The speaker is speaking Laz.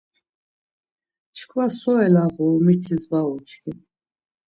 Çkva so elağuru mitis var uçkin.